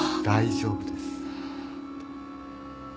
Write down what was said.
大丈夫です。